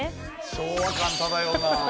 昭和感漂うな。